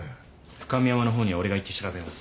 深美山の方には俺が行って調べます。